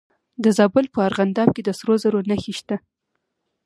د زابل په ارغنداب کې د سرو زرو نښې شته.